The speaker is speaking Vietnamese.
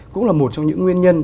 cũng là một trong những nguyên nhân